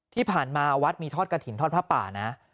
ที่ผ่านมาวัดมีทอดกระถิ่นทอดผ้าป่านะ